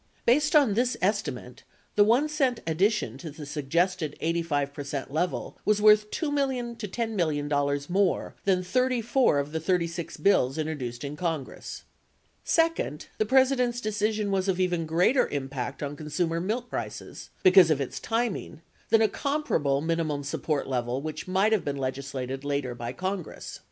Based on this estimate, the 1 cent addition to the suggested 85 percent level was worth $2 million to $10 million more than 34 of the 36 bills introduced in Congress. Second, the President's decision was of even greater impact on con sumer milk prices — because of its timing — than a comparable minimum support level which might have been legislated later by Congress.